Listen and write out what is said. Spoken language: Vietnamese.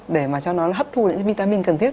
để mà cho nó hấp thu những vitamin cần thiết